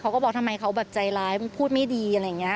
เขาก็บอกทำไมเขาแบบใจร้ายพูดไม่ดีค่ะ